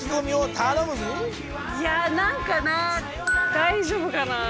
大丈夫かな？